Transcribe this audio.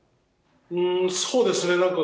そうですね。